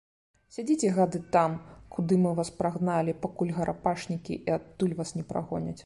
Сядзіце, гады, там, куды мы вас прагналі, пакуль гарапашнікі і адтуль вас не прагоняць.